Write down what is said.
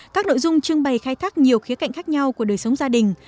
các nội dung trưng bày khai thác nhiều khía cạnh khác nhau của đời sống gia đình